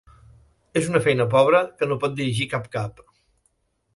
És una feina pobra que no pot dirigir cap cap.